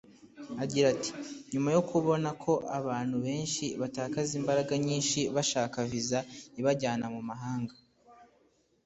Agira ati “ Nyuma yo kubona ko abantu benshi batakaza imbaraga nyinshi bashaka Visa ibajyana mu mahanga